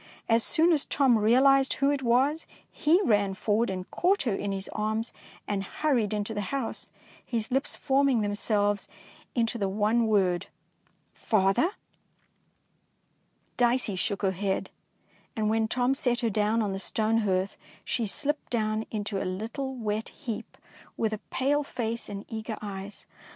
As soon as Tom realised who it was, he ran forward and caught her in his arms, and hurried into the house, his lips forming themselves into the one word, " Father?" 255 DEEDS OF DAEING Dicey shook her head, and when Tom set her down on the stone hearth, she slipped down into a little wet heap with a pale face and eager eyes.